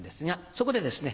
そこでですね